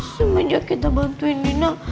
semenjak kita bantuin nina